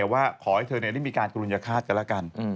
ว่าขอให้เธอได้มีการกรุณฆาตกันแล้วกัน